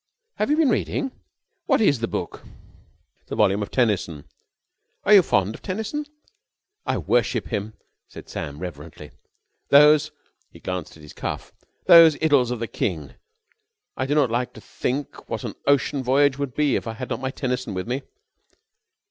"Have you been reading? What is the book?" "It's a volume of Tennyson." "Are you fond of Tennyson?" "I worship him," said Sam reverently. "Those " he glanced at his cuff "those Idylls of the King! I do not like to think what an ocean voyage would be if I had not my Tennyson with me."